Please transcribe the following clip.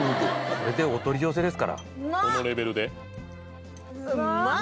これでお取り寄せですからこのレベルでうまっ！